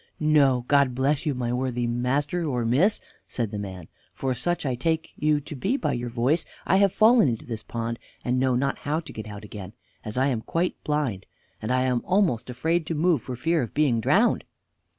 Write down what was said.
"No, God bless you, my worthy master, or miss," said the man, "for such I take you to be by your voice. I have fallen into this pond, and know not how to get out again, as I am quite blind, and I am almost afraid to move for fear of being drowned."